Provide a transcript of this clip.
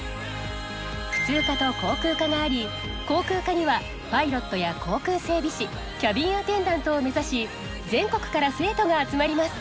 普通科と航空科があり航空科にはパイロットや航空整備士キャビンアテンダントを目指し全国から生徒が集まります。